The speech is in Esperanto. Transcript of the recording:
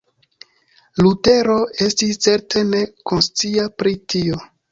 Lutero estis certe ne konscia pri tio.